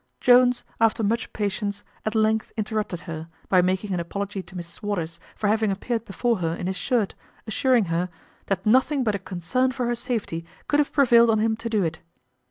Jones, after much patience, at length interrupted her, by making an apology to Mrs Waters, for having appeared before her in his shirt, assuring her "That nothing but a concern for her safety could have prevailed on him to do it."